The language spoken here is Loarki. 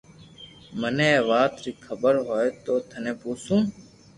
مني اي وات ري خبر ھوئي تو تني پوسو